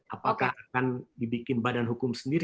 apakah akan dibikin badan hukum sendiri